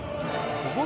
すごい！